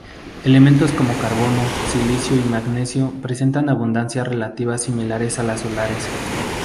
Elementos como carbono, silicio y magnesio presentan abundancias relativas similares a las solares.